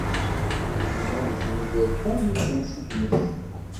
Gren-d iman-nsen imir kan i usensi n tmes.